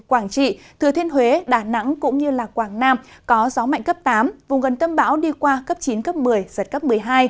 quảng trị thừa thiên huế đà nẵng cũng như quảng nam có gió mạnh cấp tám vùng gần tâm bão đi qua cấp chín cấp một mươi giật cấp một mươi hai